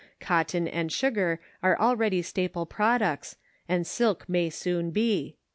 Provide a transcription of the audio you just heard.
Cotton and sugar are already staple prod ucts, and silk may soon be.